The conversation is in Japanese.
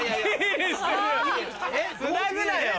つなぐなよ！